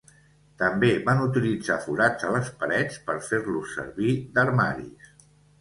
També van utilitzar forats a les parets per fer-los servir d'armaris.